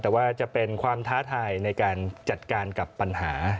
แต่ว่าจะเป็นความท้าทายในการจัดการกับปัญหา